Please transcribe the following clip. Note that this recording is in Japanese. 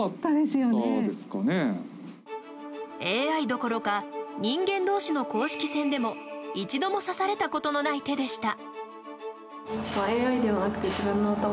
ＡＩどころか、人間同士の公式戦でも一度も指されたことのない手でした。